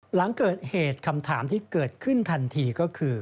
หลังเกิดเหตุคำถามที่เกิดขึ้นทันทีก็คือ